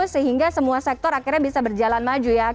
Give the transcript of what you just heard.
sehingga semua sektor akhirnya bisa berjalan maju ya